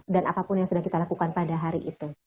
apapun yang sudah kita lakukan pada hari itu